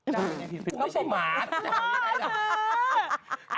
ดังผิดปกติเห่าอย่างไรแม่ก็ไม่ใช่หมา